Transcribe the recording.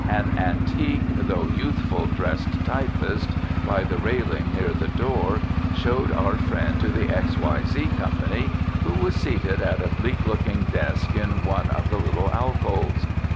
An antique, though youthfully dressed, typist, by the railing near the door, showed our friend to the X. Y. Z. Co., who was seated at a bleak looking desk in one of the little alcoves.